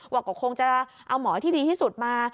ว่าก็คงจะเอาหมอที่ดีที่สุดมา